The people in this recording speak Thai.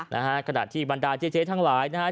นะฮะขณะที่บรรดาเจ๊เจ๊ทั้งหลายนะฮะ